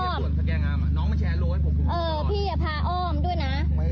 แต่สภาพนี้ไม่ได้นะน่ะขับทักซี่อะไรพี่กินเหล้าเป็นแบบนี้